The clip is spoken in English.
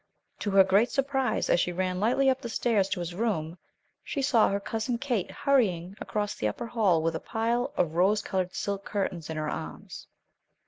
To her great surprise, as she ran lightly up the stairs to his room, she saw her Cousin Kate hurrying across the upper hall, with a pile of rose colored silk curtains in her arms.